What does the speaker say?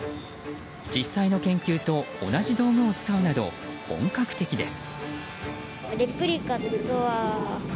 実際の研究と同じ道具を使うなど本格的です。